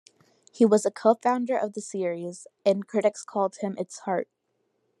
He was a co-founder of the series, and critics called him its heart.